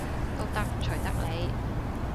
都得，隨得你